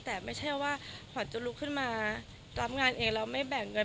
แต่ไม่ใช่ว่าขวัญจะลุกขึ้นมารับงานเองแล้วไม่แบ่งเงิน